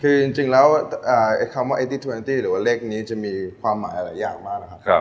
คือจริงแล้วคำว่าไอติเทอร์เนตี้หรือว่าเลขนี้จะมีความหมายหลายอย่างมากนะครับ